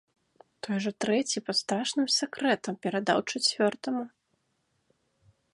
Той жа трэці пад страшным сакрэтам перадаў чацвёртаму.